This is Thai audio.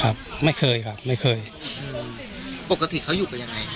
ครับไม่เคยครับไม่เคยปกติเขาอยู่กันยังไง